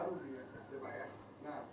sudah dikomunikasikan lagi